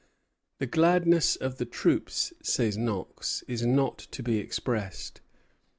"The gladness of the troops," says Knox, "is not to be expressed.